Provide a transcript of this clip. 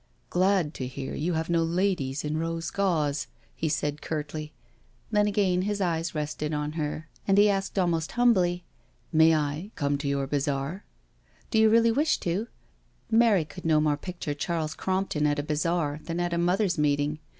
" Glad to hear you have no ladies in rose gauze," $aid he curtly. Then a^ain bis eyes rested on her. THE DINNER PARTY 223 and he asked almost humbly, " May I come to your bazaar?'^ *' Do you really wish to?" Mary could no more picture Charles Crompton at' a bazaar than at a Mothers' Meeting.